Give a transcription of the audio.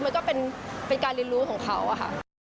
มันก็เป็นการเรียนรู้ของเขาอะค่ะ